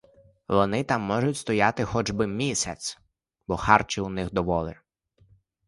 Вони там можуть стояти хоч би місяць, бо харчів у них доволі.